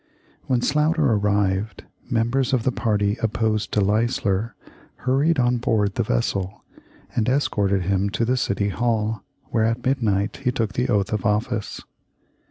When Sloughter arrived, members of the party opposed to Leisler hurried on board the vessel, and escorted him to the City Hall, where at midnight he took the oath of office.